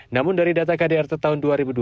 namun dari data kdrt tahun dua ribu dua puluh